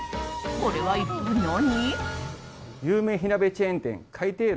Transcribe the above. これは一体、何？